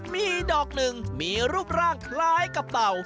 มีดอกหนึ่งมีรูปร่างคล้ายกับเต่า